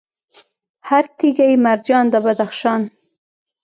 هر تیږه یې مرجان د بدخشان